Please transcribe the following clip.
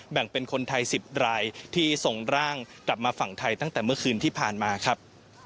แบ่งเป็นคนไทย๑๐รายที่ส่งร่างกลับมาฝั่งไทยตั้งแต่เมื่อคืนที่ผ่านมาครับ